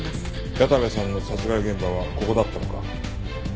矢田部さんの殺害現場はここだったのか。